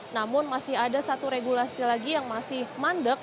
namun masih ada satu regulasi lagi yang masih mandek